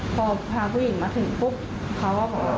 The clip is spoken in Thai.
พอพาผู้หญิงมาถึงปุ๊บเขาก็บอกว่า